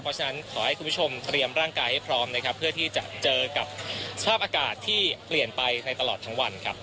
เพราะฉะนั้นขอให้คุณผู้ชมเตรียมร่างกายให้พร้อมนะครับเพื่อที่จะเจอกับสภาพอากาศที่เปลี่ยนไปในตลอดทั้งวันครับ